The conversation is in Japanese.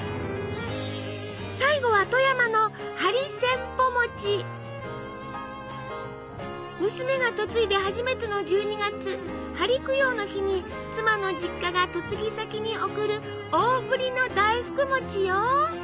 最後は富山の娘が嫁いで初めての１２月針供養の日に妻の実家が嫁ぎ先に贈る大ぶりの大福餅よ！